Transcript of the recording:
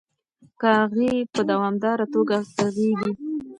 کاغۍ په دوامداره توګه کغیږي.